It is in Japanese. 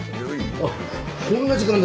あっこんな時間だ。